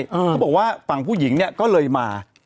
เขาบอกว่าฝั่งผู้หญิงเนี่ยก็เลยมา